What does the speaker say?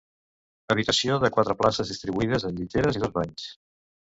Habitació de quatre places distribuïdes en lliteres i dos banys.